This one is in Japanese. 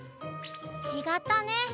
ちがったね。